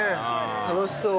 楽しそう。